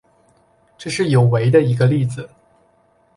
这是有违的一个例子。